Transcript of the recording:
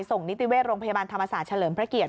นิติเวชโรงพยาบาลธรรมศาสตร์เฉลิมพระเกียรติ